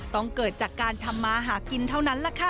เกิดจากการทำมาหากินเท่านั้นแหละค่ะ